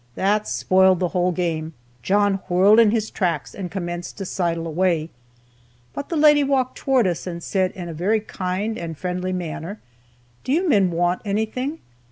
That spoiled the whole game; John whirled in his tracks and commenced to sidle away. But the lady walked towards us and said in a very kind and friendly manner: 'Do you men want anything?'